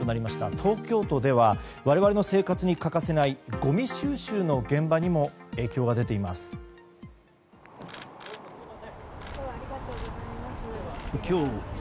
東京都では我々の生活に欠かせないごみ収集の現場にも影響が出ています。